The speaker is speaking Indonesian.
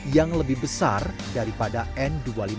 yang lebih besar daripada n dua ratus lima puluh